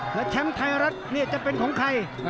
และแชมป์ไทยรัฐจะเป็นของใคร